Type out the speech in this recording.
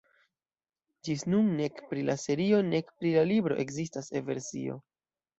Ĝis nun nek pri la serio nek pri la libro ekzistas E-versio.